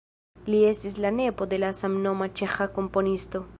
Li estis la nepo de la samnoma ĉeĥa komponisto.